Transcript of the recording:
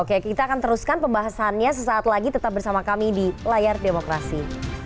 oke kita akan teruskan pembahasannya sesaat lagi tetap bersama kami di layar demokrasi